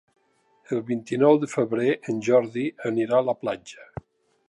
El vint-i-nou de febrer en Jordi anirà a la platja.